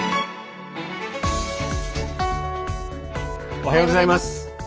おはようございます。